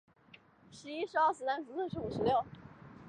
德赖茨希是德国图林根州的一个市镇。